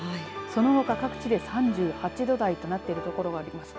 そのほか各地で３８度台となっている所があります。